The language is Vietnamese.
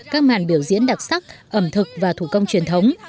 các màn biểu diễn đặc sắc ẩm thực và thủ công truyền thống